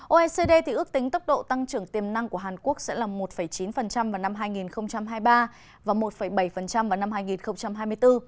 oecd ước tính tốc độ tăng trưởng tiềm năng của hàn quốc sẽ là một chín vào năm hai nghìn hai mươi ba và một bảy vào năm hai nghìn hai mươi bốn